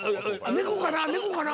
猫かな？